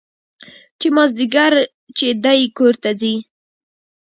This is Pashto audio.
چې مازديګر چې دى کور ته ځي.